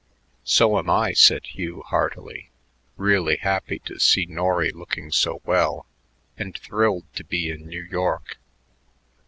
"So am I," said Hugh heartily, really happy to see Norry looking so well, and thrilled to be in New York.